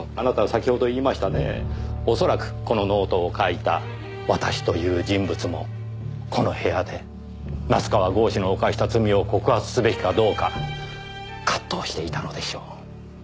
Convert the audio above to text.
おそらくこのノートを書いた「私」という人物もこの部屋で夏河郷士の犯した罪を告発すべきかどうか葛藤していたのでしょう。